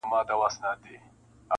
یوه شپه غېږه د جانان او زما ټوله ځواني,